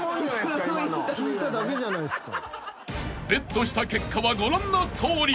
［ベットした結果はご覧のとおり］